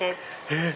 えっ？